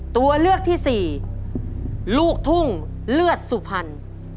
ตัวเลือกที่๔ลูกทุ่งเลือดสุภัณฑ์